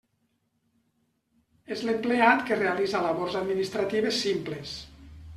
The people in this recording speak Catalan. És l'empleat que realitza labors administratives simples.